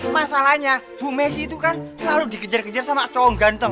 masalahnya bu messi itu kan selalu dikejar kejar sama cowong ganteng